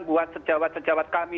buat sejawat sejawat kami